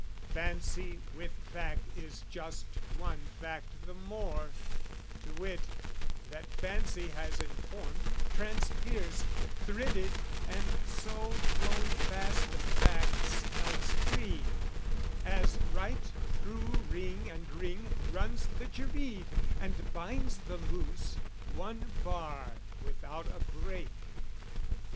Fancy with fact is just one fact the more; To wit, that fancy has informed, transpierced, Thridded and so thrown fast the facts else free, As right through ring and ring runs the djereed And binds the loose, one bar without a break.